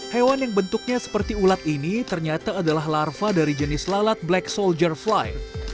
hewan yang bentuknya seperti ulat ini ternyata adalah larva dari jenis lalat black soldier fly